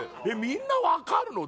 みんな分かるの？